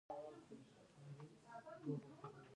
د افغاني ویب سایټونو عاید شته؟